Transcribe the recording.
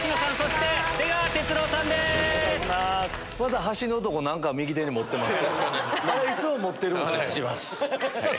また端の男何か右手に持ってます。